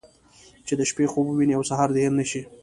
چې د شپې خوب ووينې او سهار دې هېر نه شي.